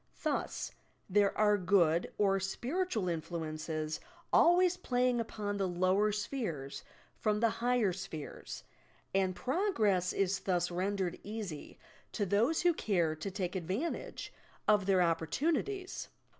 Thus, there are good or spiritual influences always playing upon the lower spheres from the higher spheres, and progress is thus rendered easy to those who care to take advantage of their opportunities.